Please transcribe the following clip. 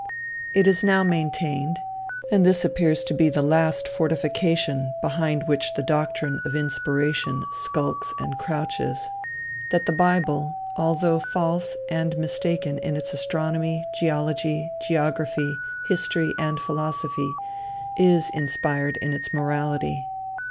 It is now maintained and this appears to be the last fortification behind which the doctrine of inspiration skulks and crouches that the bible, although false and mistaken in its astronomy, geology, geography, history and philosophy, is inspired in its morality.